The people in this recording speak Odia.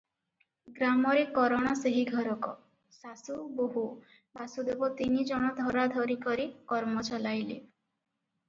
ଗ୍ରାମରେ କରଣ ସେହି ଘରକ; ଶାଶୁ, ବୋହୂ, ବାସୁଦେବ ତିନିଜଣ ଧରାଧରି କରି କର୍ମ ଚଳାଇଲେ ।